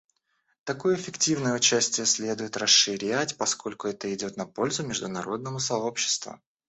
Такое эффективное участие следует расширять, поскольку это идет на пользу международному сообществу.